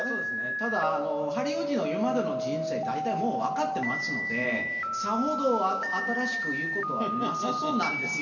ただ、ハリー王子の今までの人生、大体もう分かってますので、さほど新しく言うことはなさそうなんですよ。